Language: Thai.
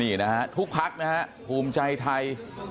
นี่นะฮะทุกพักนะฮะภูมิใจไทย